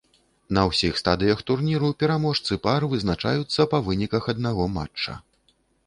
На ўсіх стадыях турніру пераможцы пар вызначаюцца па выніках аднаго матча.